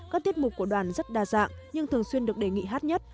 các tiết mục của đoàn rất đa dạng nhưng thường xuyên được đề nghị hát nhất